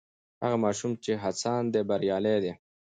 هغه ماشوم چې هڅاند دی بریالی دی.